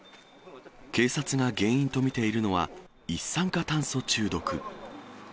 警察が原因と見ているのは、一酸化炭素中毒。